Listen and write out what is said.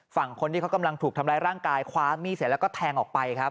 ฝั่งคนที่เขากำลังถูกทำร้ายร่างกายคว้ามีดเสร็จแล้วก็แทงออกไปครับ